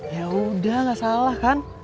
yaudah gak salah kan